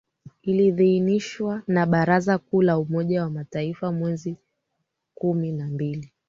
iliidhinishwa na Baraza Kuu la Umoja wa Mataifa mwezi kumi na mbili